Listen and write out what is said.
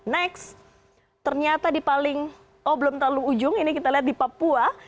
next ternyata di paling oh belum terlalu ujung ini kita lihat di papua